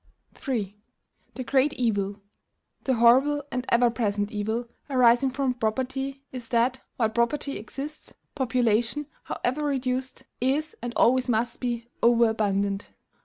III. The great evil the horrible and ever present evil arising from property, is that, while property exists, population, however reduced, is, and always must be, over abundant.